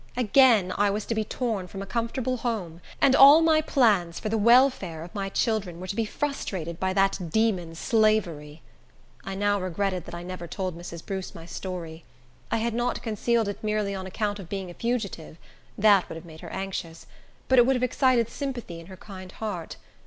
Again I was to be torn from a comfortable home, and all my plans for the welfare of my children were to be frustrated by that demon Slavery! I now regretted that I never told Mrs. Bruce my story. I had not concealed it merely on account of being a fugitive; that would have made her anxious, but it would have excited sympathy in her kind heart.